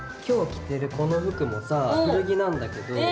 今日着てるこの服もさ古着なんだけど。